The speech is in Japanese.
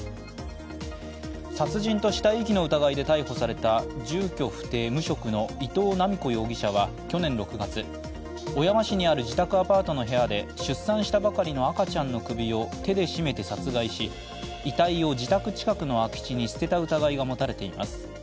殺人と死体遺棄の疑いで逮捕された住居不定・無職の伊藤七美子容疑者は去年６月、小山市にある自宅アパートの部屋で出産したばかりの赤ちゃんの首を手で絞めて殺害し、遺体を自宅近くの空き地に捨てた疑いが持たれています。